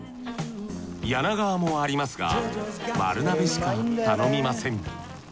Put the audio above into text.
柳川もありますがまるなべしか頼みません。